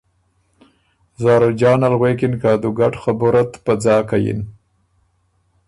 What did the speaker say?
زاروجانه ل غوېکِن که ا دُوګډ خبُره ت په ځاکه یِن۔